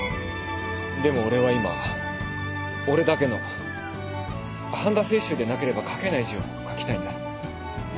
でも俺は今俺だけの半田清舟でなければ書けない字を書きたいんだ。